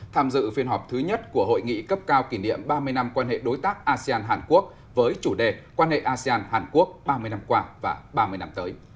tham dự phiên họp thứ nhất của hội nghị cấp cao kỷ niệm ba mươi năm quan hệ đối tác asean hàn quốc với chủ đề quan hệ asean hàn quốc ba mươi năm qua và ba mươi năm tới